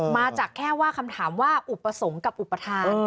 มาจากแค่ว่าคำถามว่าอุปสรรคกับอุปทาน